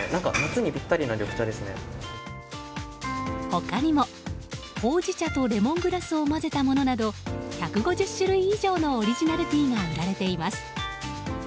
他にも、ほうじ茶とレモングラスを混ぜたものなど１５０種類以上のオリジナルティーが売られています。